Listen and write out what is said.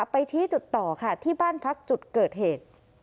ไปชี้จุดต่อค่ะที่บ้านพักจุดเกิดเหตุ